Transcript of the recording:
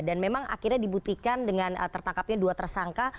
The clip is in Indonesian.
dan memang akhirnya dibuktikan dengan tertangkapnya dua tersangka